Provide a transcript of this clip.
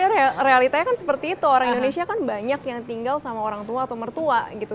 ya realitanya kan seperti itu orang indonesia kan banyak yang tinggal sama orang tua atau mertua gitu